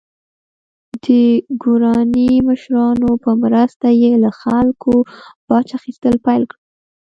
د ګوراني مشرانو په مرسته یې له خلکو باج اخیستل پیل کړل.